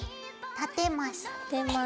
立てます。